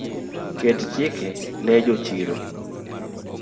Ket chike ne jochiro